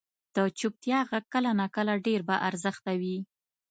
• د چپتیا ږغ کله ناکله ډېر با ارزښته وي.